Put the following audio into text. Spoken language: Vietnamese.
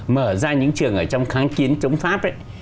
mở ra những trường ở trong kháng chiến chống pháp ấy